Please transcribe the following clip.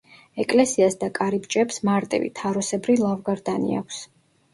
ეკლესიას და კარიბჭეებს მარტივი, თაროსებრი ლავგარდანი აქვს.